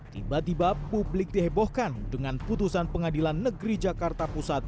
tiba tiba publik dihebohkan dengan putusan pengadilan negeri jakarta pusat